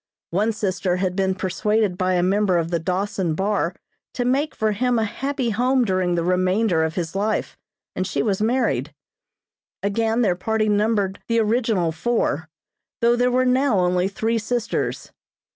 One sister had been persuaded by a member of the Dawson Bar to make for him a happy home during the remainder of his life, and she was married. Again their party numbered the original four, though there were now only three sisters.